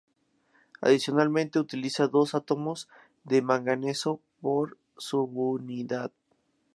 Adicionalmente utiliza dos átomos de manganeso por subunidad.